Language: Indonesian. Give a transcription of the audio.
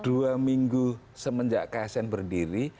dua minggu semenjak ke asn berdiri